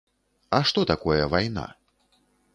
А што такое вайна?